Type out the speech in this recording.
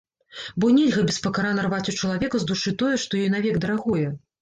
Бо нельга беспакарана рваць у чалавека з душы тое, што ёй навек дарагое.